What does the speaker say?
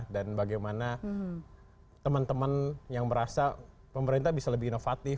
dan bagaimana teman teman yang merasa pemerintah bisa lebih inovatif